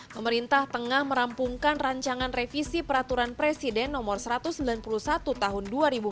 pemerintah tengah merampungkan rancangan revisi peraturan presiden no satu ratus sembilan puluh satu tahun dua ribu dua puluh